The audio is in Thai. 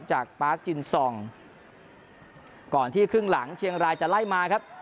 ปาร์คจินซองก่อนที่ครึ่งหลังเชียงรายจะไล่มาครับ